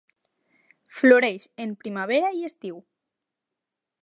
Floreix en primavera i estiu.